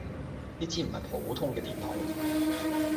呢支唔係普通嘅電筒